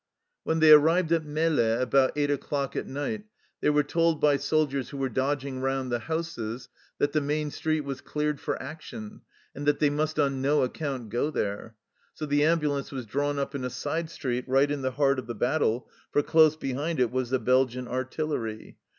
When they arrived at Melle at about 8 o'clock at night they were told by soldiers who were dodg ing round the houses that the main street was " cleared for action," and that they must on no account go there ; so the ambulance was drawn up in a side street right in the heart of the battle, for close behind it was the Belgian artillery.